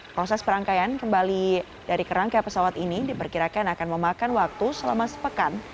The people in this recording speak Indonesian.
proses perangkaian kembali dari kerangka pesawat ini diperkirakan akan memakan waktu selama sepekan